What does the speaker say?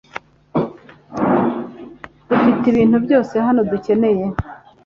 Dufite ibintu byose hano dukeneye .